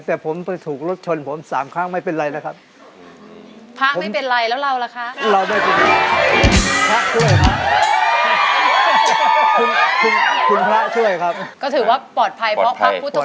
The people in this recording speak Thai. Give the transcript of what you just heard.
แต่ผมถูกรถชนผมสามครั้งไม่เป็นไรนะครับพระไม่เป็นไรแล้วเราล่ะค่ะ